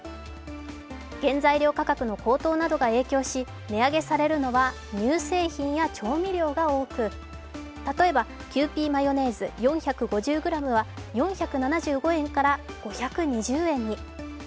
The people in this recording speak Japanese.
原材料価格の高騰などが影響し、値上げされるのは乳製品や、調味料が多く例えば、キユーピーマヨネーズ４５０ｇは、４７５円から５２０円に。